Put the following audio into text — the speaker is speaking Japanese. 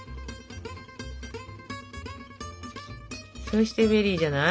そしてベリーじゃない？